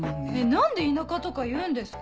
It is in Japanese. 何で「田舎」とか言うんですか？